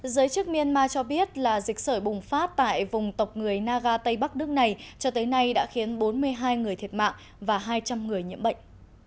giới chức myanmar cho biết là dịch sởi bùng phát tại vùng tộc người naga tây bắc nước này cho tới nay đã khiến bốn mươi hai người thiệt mạng và hai trăm linh người nhiễm bệnh